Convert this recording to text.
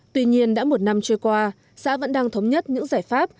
tuy nhiên đã một năm trôi qua xã vẫn đang thống nhất những giải pháp